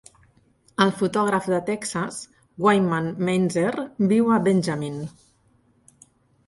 El fotògraf de Texas, Wyman Meinzer, viu a Benjamin.